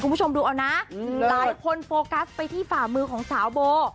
คุณผู้ชมดูเอานะหลายคนโฟกัสไปที่ฝ่ามือของสาวโบ